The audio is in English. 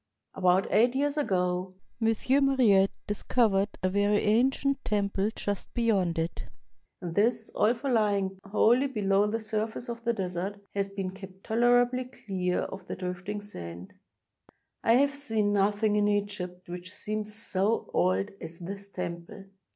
About eight years ago M. Mariette discovered a very ancient temple just beyond 62 A TRIP TO THE PYRAMIDS it, and this, although lying wholly below the surface of the desert, has been kept tolerably clear of the drifting sand. I have seen nothing in Egypt which seems so old as this temple.